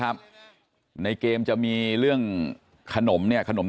แล้วถ้าคุณชุวิตไม่ออกมาเป็นเรื่องกลุ่มมาเฟียร์จีน